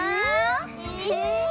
え。